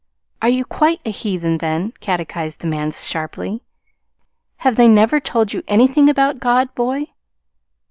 "Are you quite a heathen, then?" catechised the man sharply. "Have they never told you anything about God, boy?"